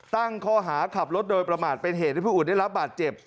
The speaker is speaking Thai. ตั้งข้อหาขับรถโดยประมาทเป็นเหตุให้ผู้อื่นได้รับบาดเจ็บ